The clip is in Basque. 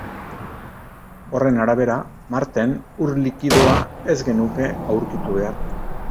Horren arabera, Marten ur-likidoa ez genuke aurkitu behar.